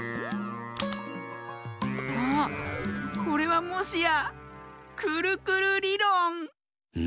あこれはもしやくるくるりろん！